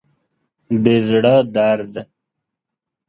د زړه درد